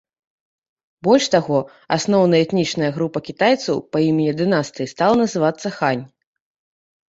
Больш таго, асноўная этнічная група кітайцаў па імені дынастыі стала называцца хань.